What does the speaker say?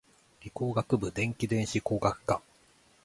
理工学部電気電子工学科